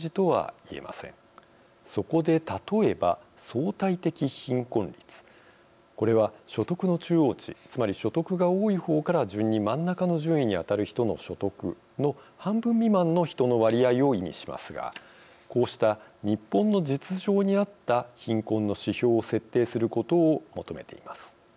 そこで例えば相対的貧困率これは所得の中央値つまり所得が多い方から順に真ん中の順位に当たる人の所得の半分未満の人の割合を意味しますがこうした日本の実情にあった貧困の指標を設定することを求めています。